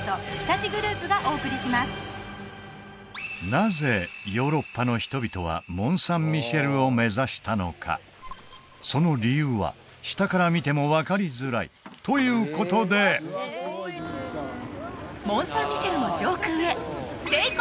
なぜヨーロッパの人々はモン・サン・ミシェルを目指したのかその理由は下から見ても分かりづらいということでこの